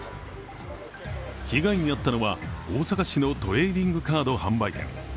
被害に遭ったのは大阪市のトレーディングカード販売店。